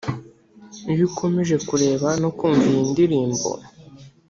Iyo ukomeje kureba no kumva iyi ndirimbo